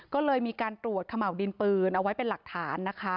ก็เลยมีการตรวจเขม่าวดินปืนเอาไว้เป็นหลักฐานนะคะ